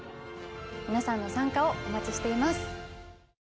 皆さんの参加をお待ちしています。